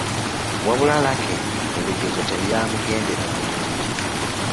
Wabula Lucky ebigezo tebyamugendera bulungi.